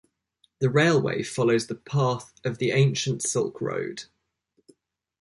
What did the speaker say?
The railway follows the path of the ancient Silk Road.